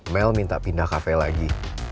mel minta pindah kafe lagi